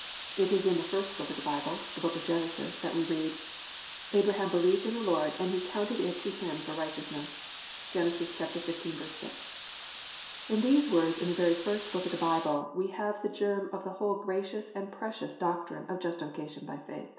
It is in the first book of the Bible, the book of Genesis, that we read, +"Abraham believed in the Lord; and he counted it to him for righteousness."+ (Gen. 15:6.) In these words in the very first book in the Bible we have the germ of the whole gracious and precious doctrine of Justification by Faith.